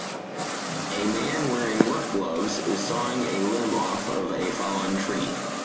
A man wearing work gloves is sawing a limb off of a fallen tree.